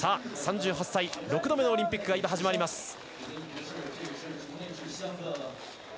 ３８歳、６度目のオリンピックが今、始まります。